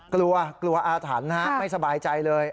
กลัวอาถรรพ์นะฮะไม่สบายใจเลย